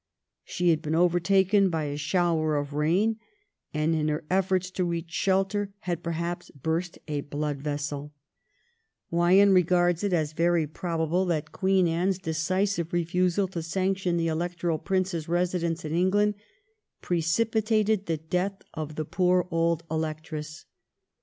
She had been overtaken by a shower of rain, and in her efibrts to reach shelter had perhaps burst a blood vessel/ Wyon regards it as very probable that Queen Anne's decisive refusal to sanction the Electoral Prince's residence in England precipitated the death of the poor old Electress.